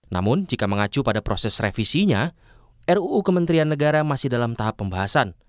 namun jika mengacu pada proses revisinya ruu kementerian negara masih dalam tahap pembahasan